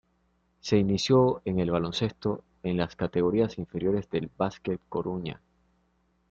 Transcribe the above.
Se inició en el baloncesto en las categorías inferiores del Básquet Coruña.